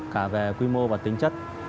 cả về quy mô và tính chất